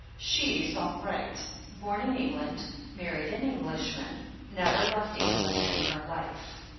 She's all right — ^bom in England, mar ried an Englishman, never left England in her life.